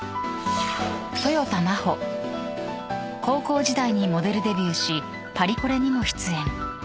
［高校時代にモデルデビューしパリコレにも出演］